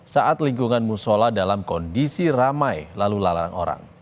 saat lingkungan musola dalam kondisi ramai lalu lalang orang